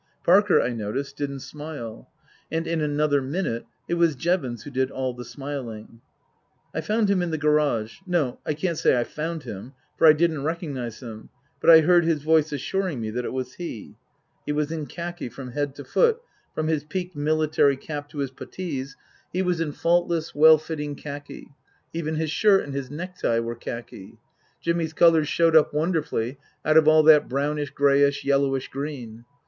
Parker, I noticed, didn't smile. And in another minute it was Jevons who did all the smiling. I found him in the garage no, I can't say I found him, for I didn't recognize him, but I heard his voice assuring me that it was he. He was in khaki ; from head to foot, from his peaked military cap to his puttees he was in 266 Tasker Jevons faultless, well fitting khaki ; even his shirt and his neck tie were khaki. Jimmy's colours showed up wonderfully out of all that brownish, greyish, yellowish green.